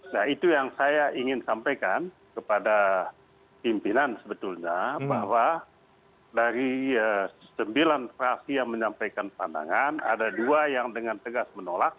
nah itu yang saya ingin sampaikan kepada pimpinan sebetulnya bahwa dari sembilan fraksi yang menyampaikan pandangan ada dua yang dengan tegas menolak